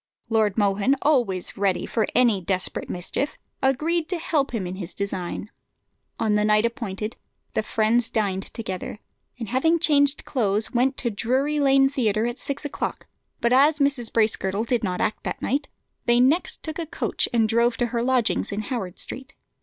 Lord Mohun, always ready for any desperate mischief, agreed to help him in his design. On the night appointed the friends dined together, and having changed clothes, went to Drury Lane Theatre at six o'clock; but as Mrs. Bracegirdle did not act that night, they next took a coach and drove to her lodgings in Howard Street.